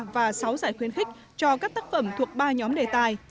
và sáu giải khuyến khích cho các tác phẩm thuộc ba nhóm đề tài